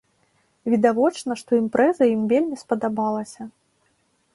Відавочна, што імпрэза ім вельмі спадабалася.